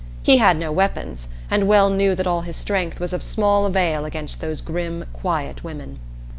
He had no weapons, and well knew that all his strength was of small avail against those grim, quiet women.